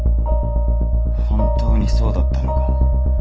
本当にそうだったのか？